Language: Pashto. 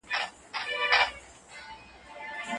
موږ نسو کولای یوازې زیرمې معیار وګڼو.